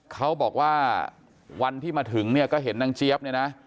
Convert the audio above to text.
เขาบอกว่าวันที่มาถึงเนี่ยก็เห็นนางเจี๊ยบเนี่ยนะ